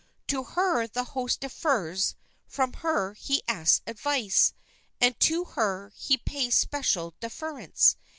To her the host defers, from her he asks advice, and to her he pays special deference.